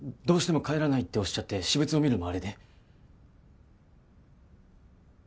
どうしても帰らないっておっしゃって私物を見るのもあれで。